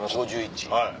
はい。